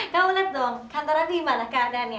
kamu lihat dong kantoran ini gimana keadaannya